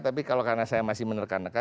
tapi kalau karena saya masih menerkan reka